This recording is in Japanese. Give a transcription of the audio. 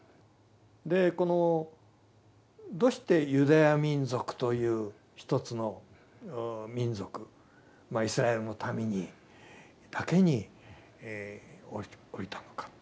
でこのどうしてユダヤ民族という一つの民族イスラエルの民にだけに降りたのか。